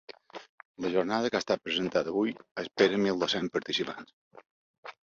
La jornada, que ha estat presentada avui, espera mil dos-cents participants.